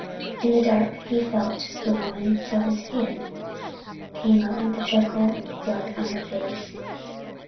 In the dark he felt the woman till his hand came on the trickle of blood on her face.